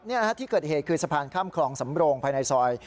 นี่นะฮะที่เกิดเหตุคือสะพานข้ามคลองสำโรงภายในซอย